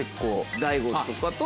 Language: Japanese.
大吾とかと。